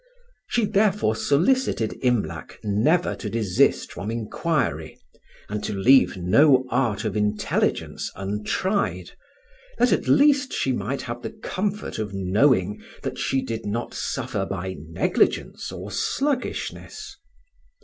She therefore solicited Imlac never to desist from inquiry, and to leave no art of intelligence untried, that at least she might have the comfort of knowing that she did not suffer by negligence or sluggishness.